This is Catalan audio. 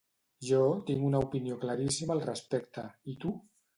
Jo tinc una opinió claríssima al respecte, i tu?